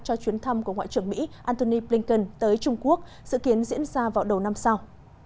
cho chuyến thăm của ngoại trưởng mỹ antony blinken tới trung quốc dự kiến diễn ra vào đầu năm sau